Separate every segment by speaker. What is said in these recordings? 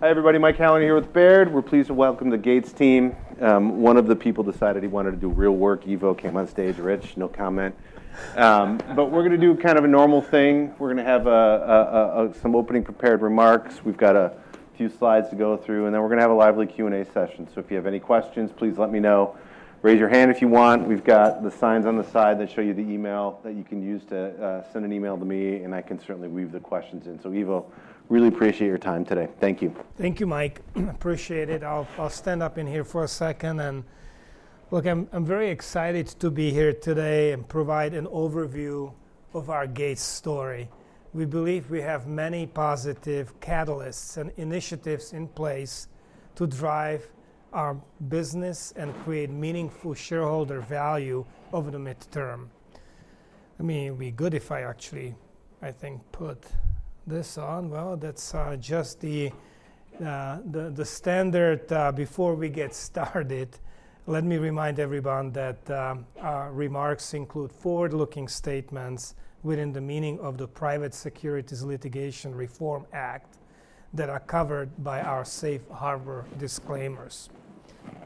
Speaker 1: Hi everybody, Mike Allen here with Baird. We're pleased to welcome the Gates team. One of the people decided he wanted to do real work. Ivo came on stage, right? No comment, but we're going to do kind of a normal thing. We're going to have some opening prepared remarks. We've got a few slides to go through, and then we're going to have a lively Q&A session, so if you have any questions, please let me know. Raise your hand if you want. We've got the signs on the side that show you the email that you can use to send an email to me, and I can certainly weave the questions in. So, Ivo, really appreciate your time today. Thank you.
Speaker 2: Thank you, Mike. Appreciate it. I'll stand up in here for a second. And look, I'm very excited to be here today and provide an overview of our Gates story. We believe we have many positive catalysts and initiatives in place to drive our business and create meaningful shareholder value over the midterm. I mean, it would be good if I actually, I think, put this on. Well, that's just the standard before we get started. Let me remind everyone that our remarks include forward-looking statements within the meaning of the Private Securities Litigation Reform Act that are covered by our safe harbor disclaimers.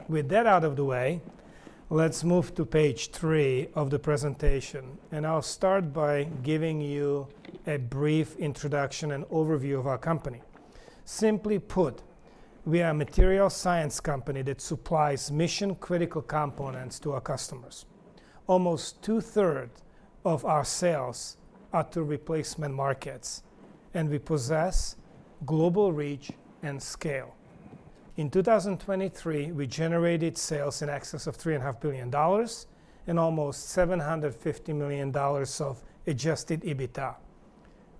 Speaker 2: With that out of the way, let's move to page three of the presentation. And I'll start by giving you a brief introduction and overview of our company. Simply put, we are a material science company that supplies mission-critical components to our customers. Almost two-thirds of our sales are to replacement markets, and we possess global reach and scale. In 2023, we generated sales in excess of $3.5 billion and almost $750 million of adjusted EBITDA.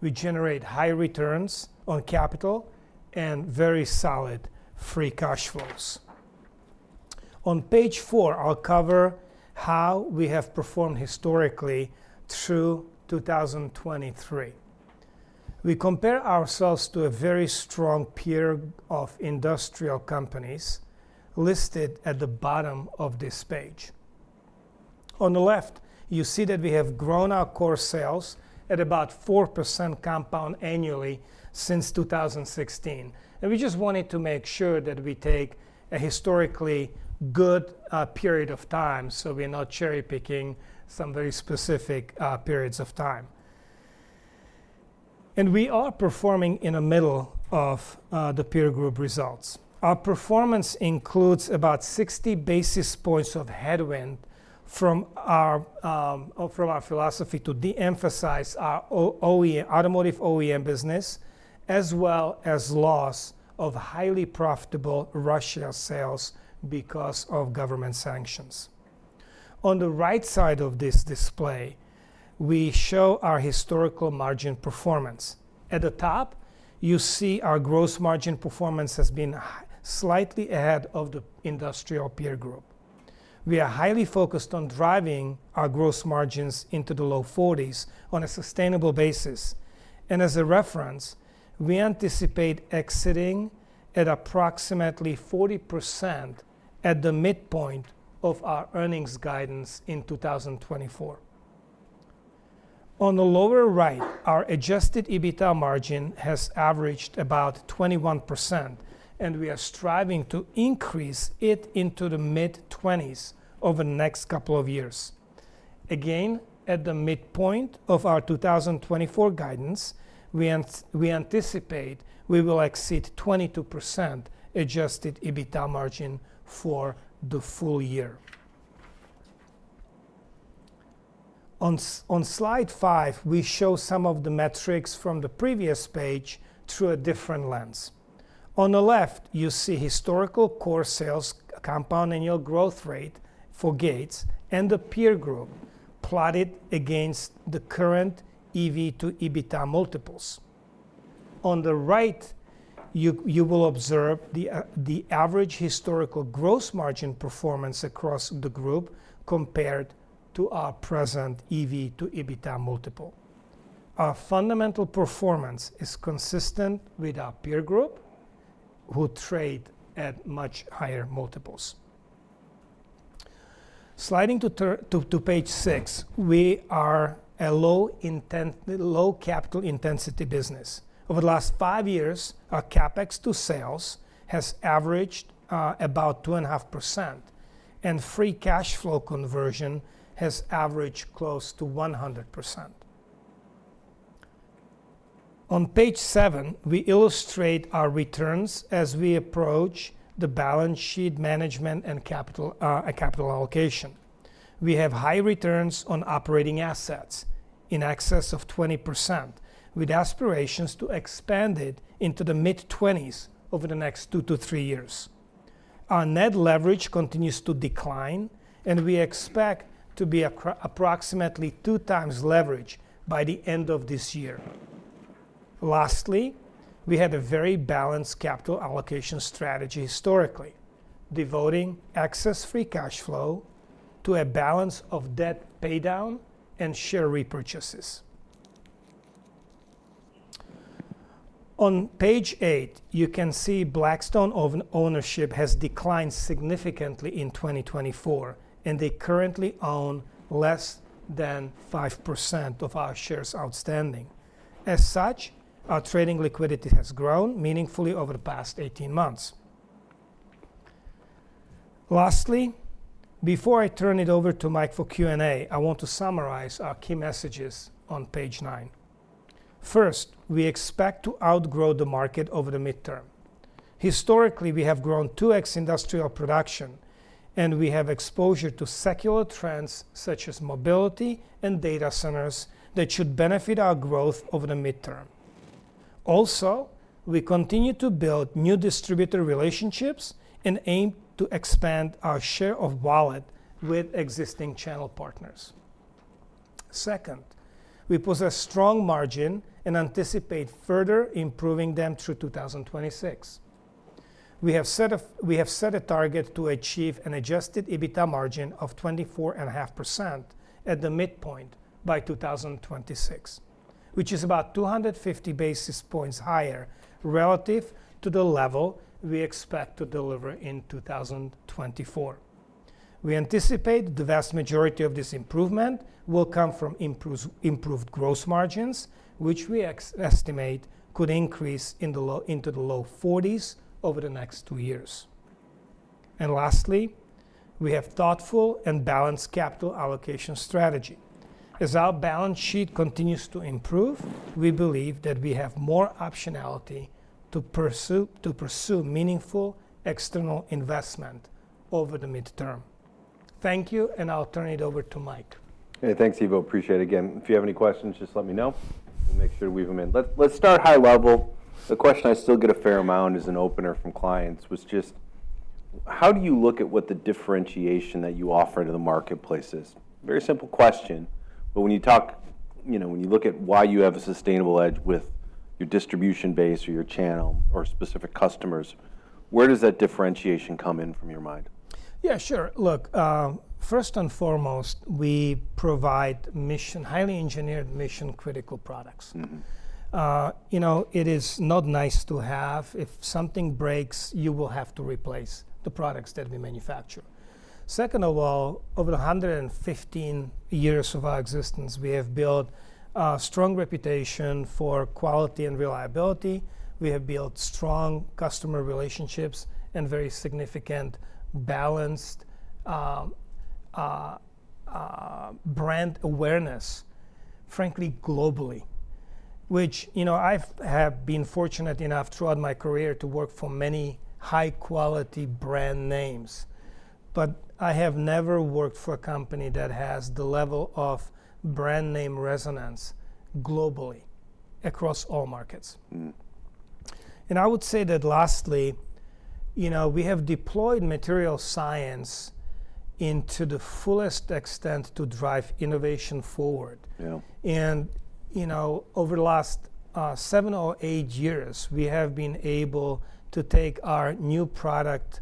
Speaker 2: We generate high returns on capital and very solid free cash flows. On Page 4, I'll cover how we have performed historically through 2023. We compare ourselves to a very strong peer of industrial companies listed at the bottom of this page. On the left, you see that we have grown our core sales at about 4% compound annually since 2016. And we just wanted to make sure that we take a historically good period of time, so we're not cherry-picking some very specific periods of time. And we are performing in the middle of the peer group results. Our performance includes about 60 basis points of headwind from our philosophy to de-emphasize our automotive OEM business, as well as loss of highly profitable Russia sales because of government sanctions. On the right side of this display, we show our historical margin performance. At the top, you see our gross margin performance has been slightly ahead of the industrial peer group. We are highly focused on driving our gross margins into the low 40s% on a sustainable basis, and as a reference, we anticipate exiting at approximately 40% at the midpoint of our earnings guidance in 2024. On the lower right, our Adjusted EBITDA margin has averaged about 21%, and we are striving to increase it into the mid-20s% over the next couple of years. Again, at the midpoint of our 2024 guidance, we anticipate we will exceed 22% Adjusted EBITDA margin for the full year. On slide five, we show some of the metrics from the previous page through a different lens. On the left, you see historical core sales compound annual growth rate for Gates and the peer group plotted against the current EV to EBITDA multiples. On the right, you will observe the average historical gross margin performance across the group compared to our present EV to EBITDA multiple. Our fundamental performance is consistent with our peer group, who trade at much higher multiples. Sliding to Page 6, we are a low capital intensity business. Over the last five years, our CapEx to sales has averaged about 2.5%, and free cash flow conversion has averaged close to 100%. On page seven, we illustrate our returns as we approach the balance sheet management and capital allocation. We have high returns on operating assets in excess of 20%, with aspirations to expand it into the mid-20s over the next two to three years. Our net leverage continues to decline, and we expect to be approximately two times leverage by the end of this year. Lastly, we had a very balanced capital allocation strategy historically, devoting excess free cash flow to a balance of debt paydown and share repurchases. On Page 8, you can see Blackstone ownership has declined significantly in 2024, and they currently own less than 5% of our shares outstanding. As such, our trading liquidity has grown meaningfully over the past 18 months. Lastly, before I turn it over to Mike for Q&A, I want to summarize our key messages on page nine. First, we expect to outgrow the market over the midterm. Historically, we have grown 2x industrial production, and we have exposure to secular trends such as mobility and data centers that should benefit our growth over the midterm. Also, we continue to build new distributor relationships and aim to expand our share of wallet with existing channel partners. Second, we possess strong margin and anticipate further improving them through 2026. We have set a target to achieve an Adjusted EBITDA margin of 24.5% at the midpoint by 2026, which is about 250 basis points higher relative to the level we expect to deliver in 2024. We anticipate the vast majority of this improvement will come from improved gross margins, which we estimate could increase into the low 40s over the next two years. And lastly, we have thoughtful and balanced capital allocation strategy. As our balance sheet continues to improve, we believe that we have more optionality to pursue meaningful external investment over the midterm. Thank you, and I'll turn it over to Mike.
Speaker 1: Thanks, Ivo. Appreciate it again. If you have any questions, just let me know. We'll make sure to weave them in. Let's start high level. The question I still get a fair amount is an opener from clients was just, how do you look at what the differentiation that you offer to the marketplace is? Very simple question, but when you talk, you know, when you look at why you have a sustainable edge with your distribution base or your channel or specific customers, where does that differentiation come in from your mind?
Speaker 2: Yeah, sure. Look, first and foremost, we provide highly engineered mission-critical products. You know, it is not nice to have if something breaks, you will have to replace the products that we manufacture. Second of all, over 115 years of our existence, we have built a strong reputation for quality and reliability. We have built strong customer relationships and very significant balanced brand awareness, frankly, globally, which, you know, I have been fortunate enough throughout my career to work for many high-quality brand names, but I have never worked for a company that has the level of brand name resonance globally across all markets, and I would say that lastly, you know, we have deployed material science into the fullest extent to drive innovation forward. You know, over the last seven or eight years, we have been able to take our new product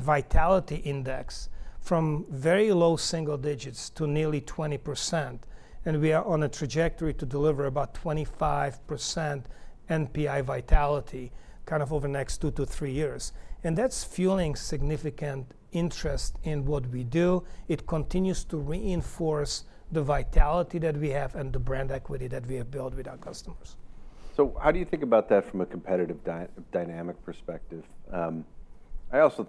Speaker 2: vitality index from very low single digits to nearly 20%. We are on a trajectory to deliver about 25% NPI vitality kind of over the next two to three years. That's fueling significant interest in what we do. It continues to reinforce the vitality that we have and the brand equity that we have built with our customers.
Speaker 1: So how do you think about that from a competitive dynamic perspective? I also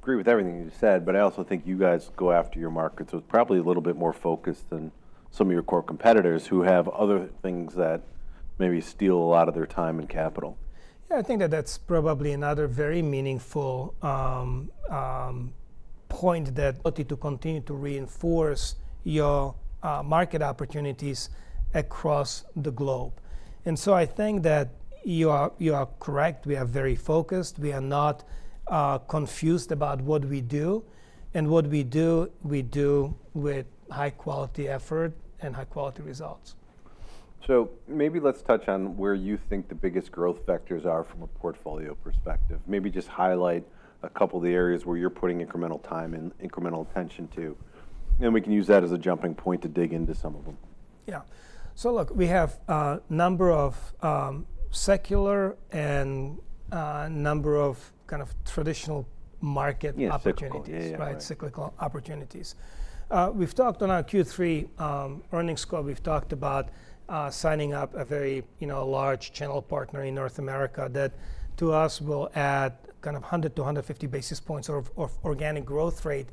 Speaker 1: agree with everything you said, but I also think you guys go after your market. So it's probably a little bit more focused than some of your core competitors who have other things that maybe steal a lot of their time and capital.
Speaker 2: Yeah, I think that that's probably another very meaningful point, that to continue to reinforce your market opportunities across the globe, and so I think that you are correct. We are very focused. We are not confused about what we do, and what we do, we do with high-quality effort and high-quality results.
Speaker 1: So maybe let's touch on where you think the biggest growth factors are from a portfolio perspective. Maybe just highlight a couple of the areas where you're putting incremental time and incremental attention to. And we can use that as a jumping point to dig into some of them.
Speaker 2: Yeah. So look, we have a number of secular and a number of kind of traditional market opportunities, right? Cyclical opportunities. We've talked on our Q3 earnings call, we've talked about signing up a very large channel partner in North America that to us will add kind of 100-150 basis points of organic growth rate.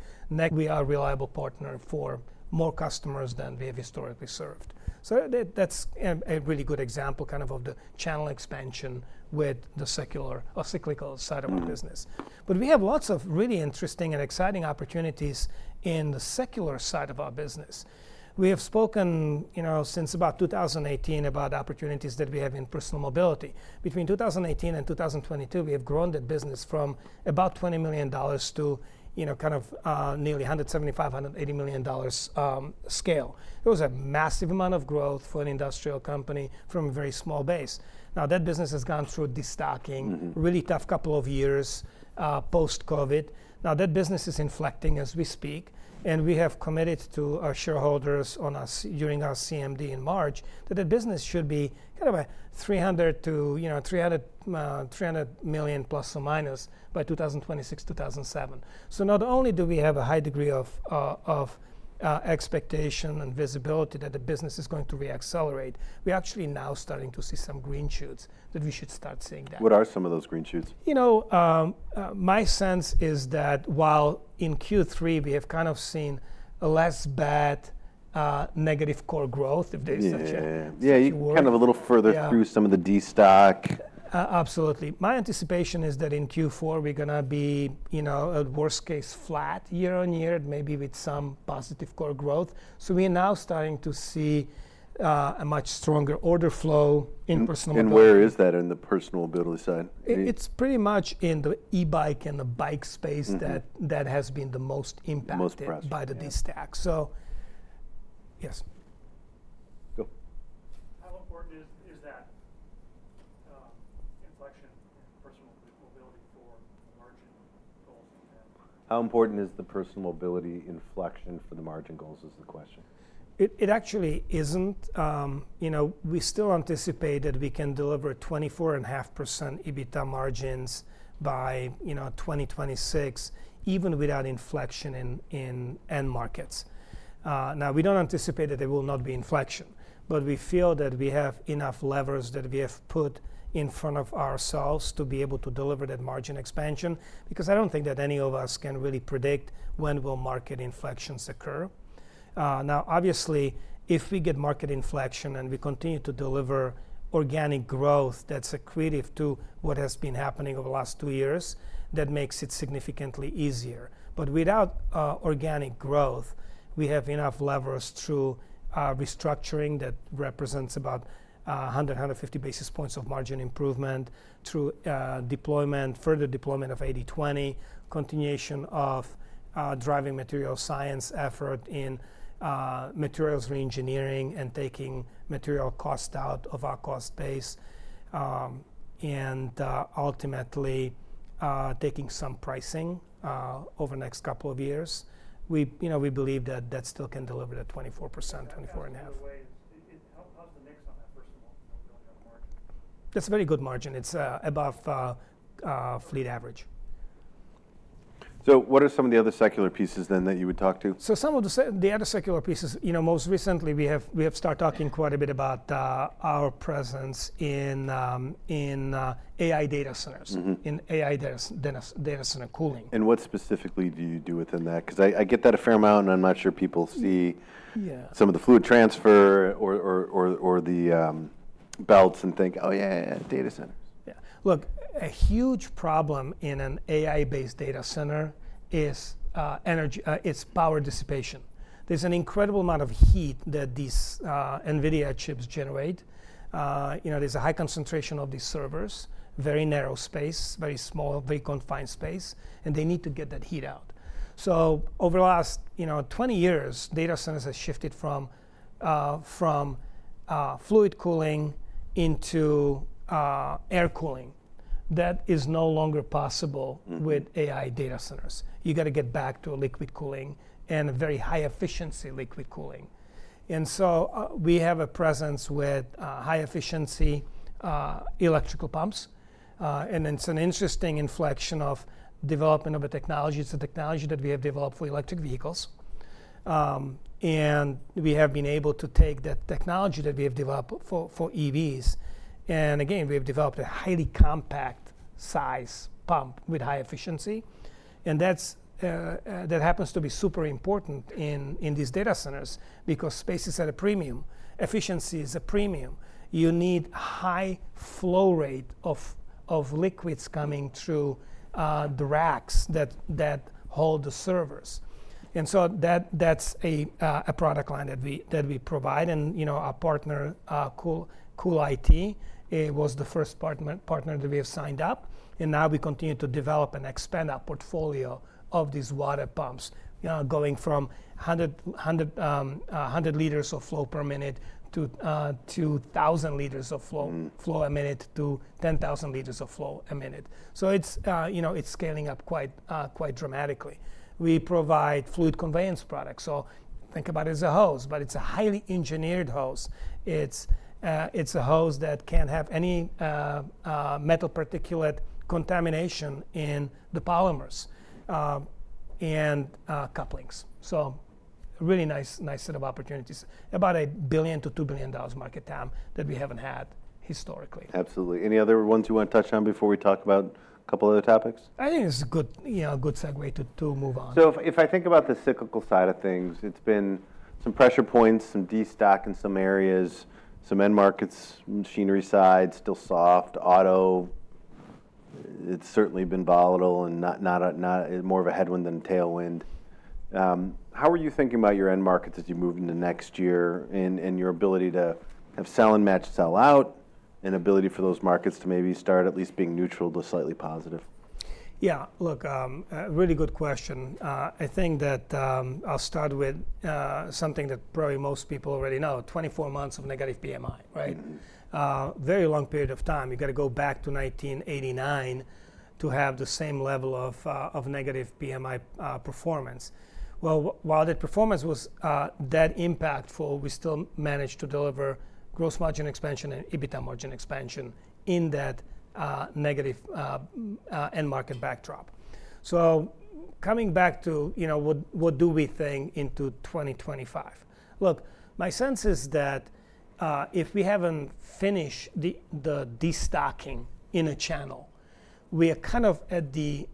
Speaker 2: We are a reliable partner for more customers than we have historically served. So that's a really good example kind of of the channel expansion with the secular or cyclical side of our business. But we have lots of really interesting and exciting opportunities in the secular side of our business. We have spoken since about 2018 about opportunities that we have in personal mobility. Between 2018 and 2022, we have grown that business from about $20 million to kind of nearly $175 million-$180 million scale. It was a massive amount of growth for an industrial company from a very small base. Now that business has gone through destocking, really tough couple of years post-COVID. Now that business is inflecting as we speak. And we have committed to our shareholders during our CMD in March that the business should be kind of a $300 million-$300 million± by 2026, 2027. So not only do we have a high degree of expectation and visibility that the business is going to reaccelerate, we're actually now starting to see some green shoots that we should start seeing that.
Speaker 1: What are some of those green shoots?
Speaker 2: You know, my sense is that while in Q3 we have kind of seen less bad negative core growth, if there's such a word.
Speaker 1: Yeah, kind of a little further through some of the destocking.
Speaker 2: Absolutely. My anticipation is that in Q4 we're going to be, you know, at worst case flat year on year, maybe with some positive core growth. So we are now starting to see a much stronger order flow in personal mobility.
Speaker 1: Where is that in the personal mobility side?
Speaker 2: It's pretty much in the e-bike and the bike space that has been the most impacted by the destocking. So yes.
Speaker 1: How important is that inflection in personal mobility for the margin goals that you have?
Speaker 2: It actually isn't. You know, we still anticipate that we can deliver 24.5% EBITDA margins by 2026, even without inflection in end markets. Now, we don't anticipate that there will not be inflection, but we feel that we have enough levers that we have put in front of ourselves to be able to deliver that margin expansion, because I don't think that any of us can really predict when will market inflections occur. Now, obviously, if we get market inflection and we continue to deliver organic growth that's equitive to what has been happening over the last two years, that makes it significantly easier. Without organic growth, we have enough levers through restructuring that represents about 100-150 basis points of margin improvement through further deployment of 80/20, continuation of driving material science effort in materials reengineering and taking material cost out of our cost base and ultimately taking some pricing over the next couple of years. We believe that that still can deliver that 24%-24.5%.
Speaker 1: How's the mix on that personal mobility margin?
Speaker 2: That's a very good margin. It's above fleet average.
Speaker 1: So what are some of the other secular pieces then that you would talk to?
Speaker 2: Some of the other secular pieces, you know, most recently we have started talking quite a bit about our presence in AI data centers, in AI data center cooling.
Speaker 1: What specifically do you do within that? Because I get that a fair amount and I'm not sure people see some of the fluid transfer or the belts and think, "Oh yeah, data centers.
Speaker 2: Yeah. Look, a huge problem in an AI-based data center is its power dissipation. There's an incredible amount of heat that these NVIDIA chips generate. You know, there's a high concentration of these servers, very narrow space, very small, very confined space, and they need to get that heat out. So over the last 20 years, data centers have shifted from fluid cooling into air cooling. That is no longer possible with AI data centers. You got to get back to liquid cooling and very high-efficiency liquid cooling. And so we have a presence with high-efficiency electrical pumps. And it's an interesting inflection of development of a technology. It's a technology that we have developed for electric vehicles. And we have been able to take that technology that we have developed for EVs. And again, we have developed a highly compact size pump with high efficiency. That happens to be super important in these data centers because space is at a premium. Efficiency is a premium. You need a high flow rate of liquids coming through the racks that hold the servers. And so that's a product line that we provide. And our partner, CoolIT, was the first partner that we have signed up. And now we continue to develop and expand our portfolio of these water pumps, going from 100 liters of flow per minute to 2,000 liters of flow a minute to 10,000 liters of flow a minute. So it's scaling up quite dramatically. We provide fluid conveyance products. So think about it as a hose, but it's a highly engineered hose. It's a hose that can't have any metal particulate contamination in the polymers and couplings. So really nice set of opportunities. About $1 billion-$2 billion market that we haven't had historically.
Speaker 1: Absolutely. Any other ones you want to touch on before we talk about a couple of other topics?
Speaker 2: I think it's a good segue to move on.
Speaker 1: So if I think about the cyclical side of things, it's been some pressure points, some destocking in some areas, some end markets, machinery side, still soft, auto. It's certainly been volatile and more of a headwind than a tailwind. How are you thinking about your end markets as you move into next year and your ability to have sell-in and match sell-out and ability for those markets to maybe start at least being neutral to slightly positive?
Speaker 2: Yeah, look, really good question. I think that I'll start with something that probably most people already know, 24 months of negative PMI, right? Very long period of time. You got to go back to 1989 to have the same level of negative PMI performance. Well, while that performance was that impactful, we still managed to deliver gross margin expansion and EBITDA margin expansion in that negative end market backdrop. So coming back to, you know, what do we think into 2025? Look, my sense is that if we haven't finished the destocking in a channel, we are kind of at the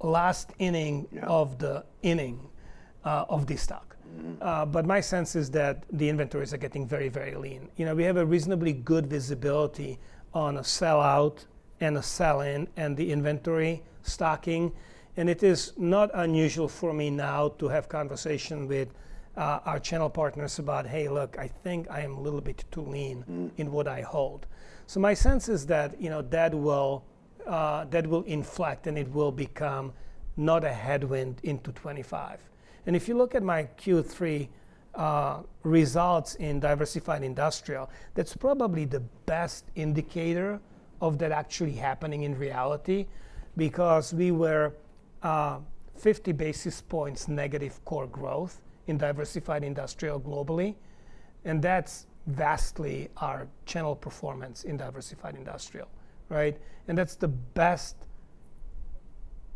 Speaker 2: last inning of the inning of destock. But my sense is that the inventories are getting very, very lean. You know, we have a reasonably good visibility on a sell out and a sell in and the inventory stacking. It is not unusual for me now to have conversation with our channel partners about, "Hey, look, I think I am a little bit too lean in what I hold." My sense is that that will inflect and it will become not a headwind into 2025. If you look at my Q3 results in diversified industrial, that's probably the best indicator of that actually happening in reality because we were 50 basis points negative core growth in diversified industrial globally. That's vastly our channel performance in diversified industrial, right? That's the best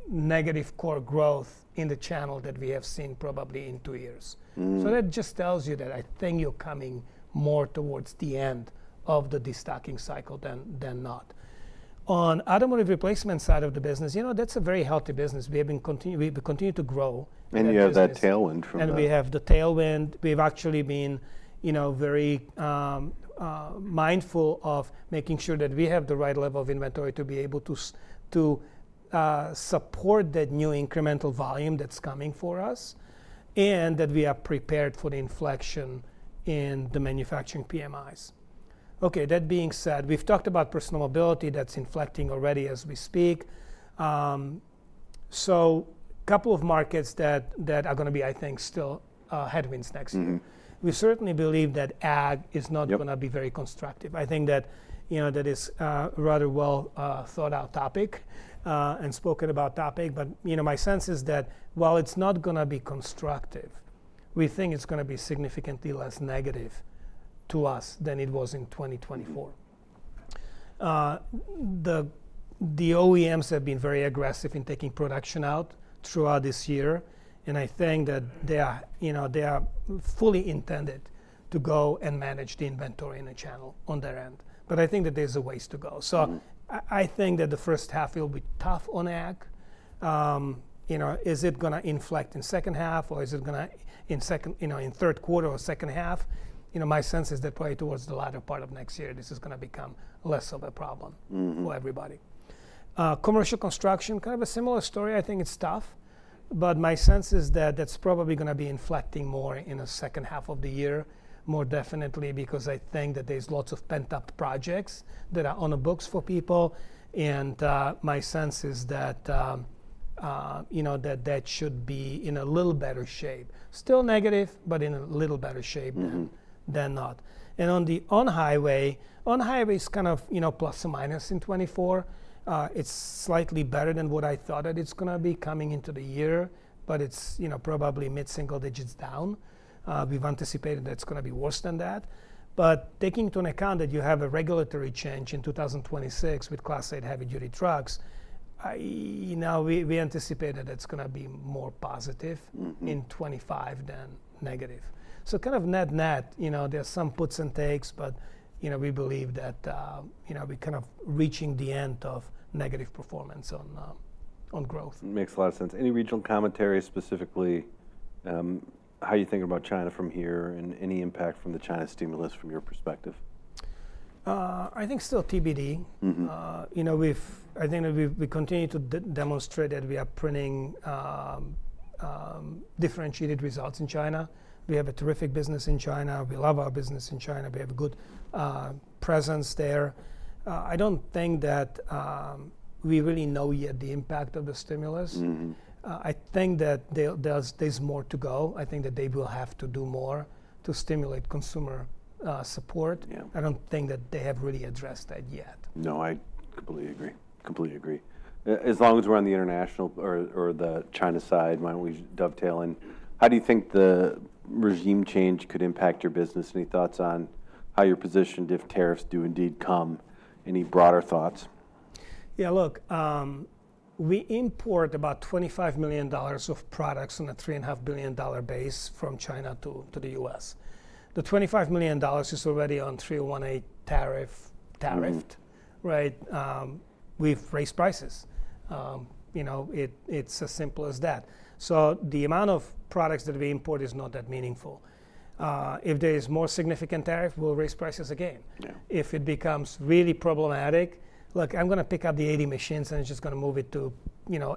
Speaker 2: negative core growth in the channel that we have seen probably in two years. That just tells you that I think you're coming more towards the end of the destocking cycle than not. On automotive replacement side of the business, you know, that's a very healthy business. We have been continuing to grow.
Speaker 1: You have that tailwind from that.
Speaker 2: And we have the tailwind. We've actually been very mindful of making sure that we have the right level of inventory to be able to support that new incremental volume that's coming for us and that we are prepared for the inflection in the manufacturing PMIs. Okay, that being said, we've talked about personal mobility that's inflecting already as we speak. So a couple of markets that are going to be, I think, still headwinds next year. We certainly believe that ag is not going to be very constructive. I think that that is a rather well thought out topic and spoken about topic. But my sense is that while it's not going to be constructive, we think it's going to be significantly less negative to us than it was in 2024. The OEMs have been very aggressive in taking production out throughout this year. I think that they are fully intended to go and manage the inventory in a channel on their end. I think that there's a ways to go. I think that the first half will be tough on ag. Is it going to inflect in second half or is it going to in third quarter or second half? My sense is that probably towards the latter part of next year, this is going to become less of a problem for everybody. Commercial construction, kind of a similar story. I think it's tough. My sense is that that's probably going to be inflecting more in the second half of the year, more definitely, because I think that there's lots of pent-up projects that are on the books for people. My sense is that that should be in a little better shape. Still negative, but in a little better shape than not, and on the highway, on highway is kind of plus or minus in 2024. It's slightly better than what I thought that it's going to be coming into the year, but it's probably mid-single digits down. We've anticipated that it's going to be worse than that, but taking into account that you have a regulatory change in 2026 with Class 8 heavy-duty trucks, we anticipate that that's going to be more positive in 2025 than negative, so kind of net-net, there's some puts and takes, but we believe that we're kind of reaching the end of negative performance on growth.
Speaker 1: Makes a lot of sense. Any regional commentary specifically how you think about China from here and any impact from the China stimulus from your perspective?
Speaker 2: I think it's still TBD. I think that we continue to demonstrate that we are printing differentiated results in China. We have a terrific business in China. We love our business in China. We have a good presence there. I don't think that we really know yet the impact of the stimulus. I think that there's more to go. I think that they will have to do more to stimulate consumer support. I don't think that they have really addressed that yet.
Speaker 1: No, I completely agree. Completely agree. As long as we're on the international or the China side, why don't we dovetail in? How do you think the regime change could impact your business? Any thoughts on how you're positioned if tariffs do indeed come? Any broader thoughts?
Speaker 2: Yeah, look, we import about $25 million of products on a $3.5 billion base from China to the U.S. The $25 million is already on 301(a) tariff, right? We've raised prices. It's as simple as that. So the amount of products that we import is not that meaningful. If there is more significant tariff, we'll raise prices again. If it becomes really problematic, look, I'm going to pick up the 80 machines and it's just going to move it to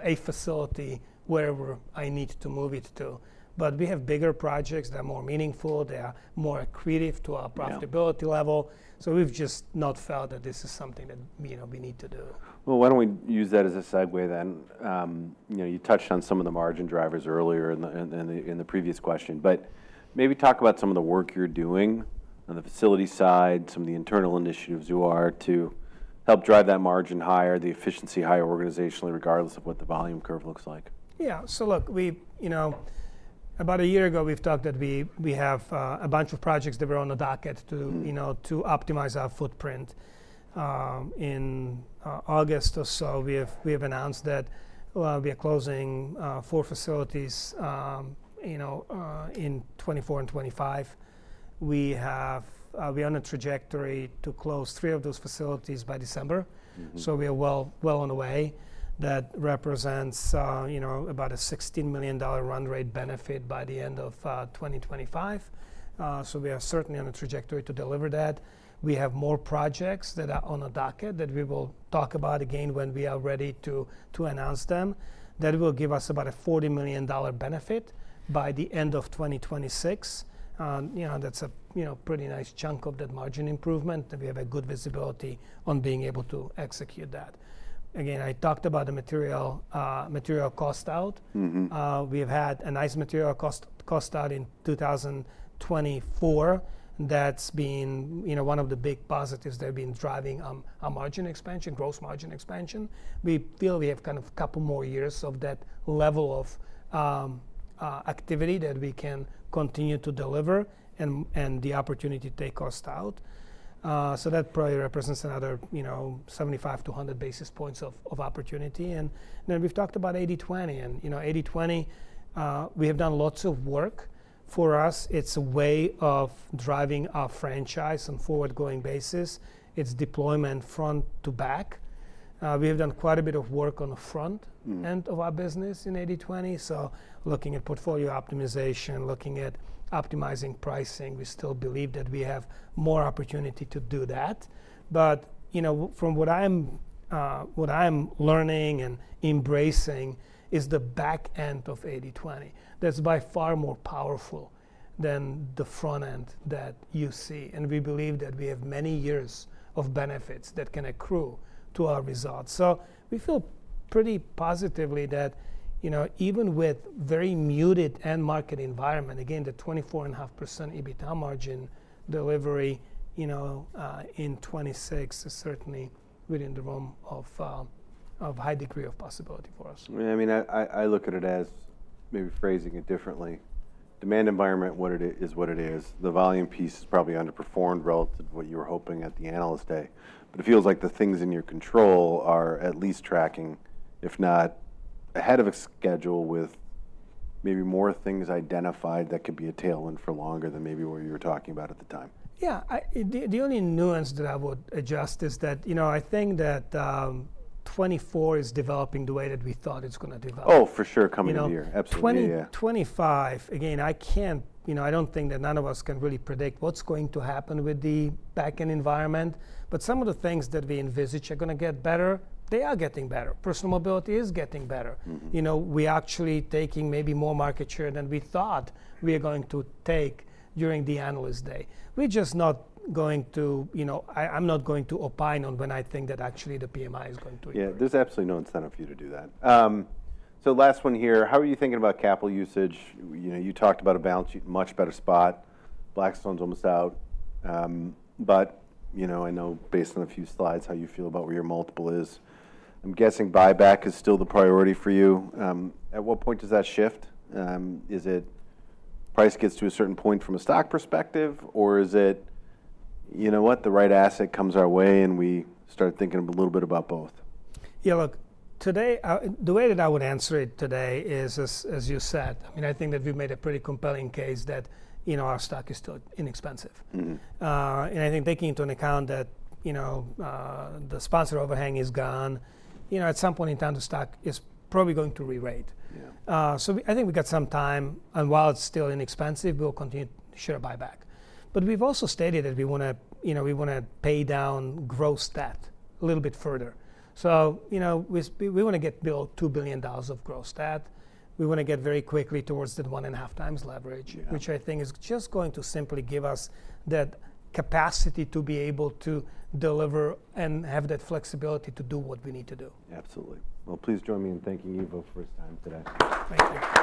Speaker 2: a facility wherever I need to move it to. But we have bigger projects that are more meaningful. They are more accretive to our profitability level. So we've just not felt that this is something that we need to do.
Speaker 1: Why don't we use that as a segue then? You touched on some of the margin drivers earlier in the previous question, but maybe talk about some of the work you're doing on the facility side, some of the internal initiatives you are to help drive that margin higher, the efficiency higher organizationally, regardless of what the volume curve looks like.
Speaker 2: Yeah. So look, about a year ago, we've talked that we have a bunch of projects that were on the docket to optimize our footprint. In August or so, we have announced that we are closing four facilities in 2024 and 2025. We are on a trajectory to close three of those facilities by December. So we are well on the way. That represents about a $16 million run rate benefit by the end of 2025. So we are certainly on a trajectory to deliver that. We have more projects that are on the docket that we will talk about again when we are ready to announce them. That will give us about a $40 million benefit by the end of 2026. That's a pretty nice chunk of that margin improvement that we have a good visibility on being able to execute that. Again, I talked about the material cost out. We have had a nice material cost out in 2024. That's been one of the big positives that have been driving our margin expansion, gross margin expansion. We feel we have kind of a couple more years of that level of activity that we can continue to deliver and the opportunity to take cost out. So that probably represents another 75-100 basis points of opportunity. And then we've talked about 80/20. And 80/20, we have done lots of work. For us, it's a way of driving our franchise on forward-going basis. It's deployment front to back. We have done quite a bit of work on the front end of our business in 80/20. So looking at portfolio optimization, looking at optimizing pricing, we still believe that we have more opportunity to do that. But from what I'm learning and embracing is the back end of 80/20. That's by far more powerful than the front end that you see. And we believe that we have many years of benefits that can accrue to our results. So we feel pretty positively that even with very muted end market environment, again, the 24.5% EBITDA margin delivery in 2026 is certainly within the realm of high degree of possibility for us.
Speaker 1: I mean, I look at it as maybe phrasing it differently. Demand environment, what it is, is what it is. The volume piece is probably underperformed relative to what you were hoping at the analyst day, but it feels like the things in your control are at least tracking, if not ahead of schedule with maybe more things identified that could be a tailwind for longer than maybe what you were talking about at the time.
Speaker 2: Yeah. The only nuance that I would adjust is that I think that 2024 is developing the way that we thought it's going to develop.
Speaker 1: Oh, for sure, coming in here. Absolutely.
Speaker 2: 2025, again, I don't think that none of us can really predict what's going to happen with the back-end environment, but some of the things that we envisage are going to get better. They are getting better. Personal mobility is getting better. We are actually taking maybe more market share than we thought we are going to take during the analyst day. We're just not going to, I'm not going to opine on when I think that actually the PMI is going to improve.
Speaker 1: Yeah, there's absolutely no incentive for you to do that. So last one here, how are you thinking about capital usage? You talked about a balance sheet, much better spot. Blackstone's almost out. But I know based on a few slides how you feel about where your multiple is. I'm guessing buyback is still the priority for you. At what point does that shift? Is it price gets to a certain point from a stock perspective, or is it, you know what, the right asset comes our way and we start thinking a little bit about both?
Speaker 2: Yeah, look, the way that I would answer it today is, as you said, I think that we've made a pretty compelling case that our stock is still inexpensive. And I think taking into account that the sponsor overhang is gone, at some point in time, the stock is probably going to re-rate. So I think we've got some time. And while it's still inexpensive, we'll continue to share buyback. But we've also stated that we want to pay down gross debt a little bit further. So we want to get below $2 billion of gross debt. We want to get very quickly towards that one and a half times leverage, which I think is just going to simply give us that capacity to be able to deliver and have that flexibility to do what we need to do.
Speaker 1: Absolutely. Well, please join me in thanking you both for your time today.
Speaker 2: Thank you.